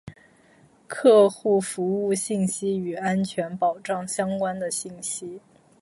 ·客户服务信息和与安全保障相关的信息。